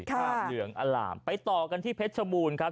ภาพเหลืองอล่ามไปต่อกันที่เพชรชบูรณ์ครับ